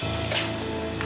mama kenapa buang aku